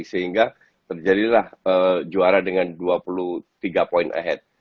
sehingga terjadilah juara dengan dua puluh tiga poin ahead